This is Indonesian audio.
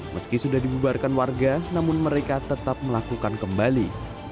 meski sudah dibubarkan warga namun mereka tetap melakukan kembali